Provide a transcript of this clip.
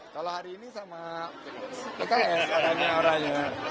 kalau hari ini sama pks adanya orangnya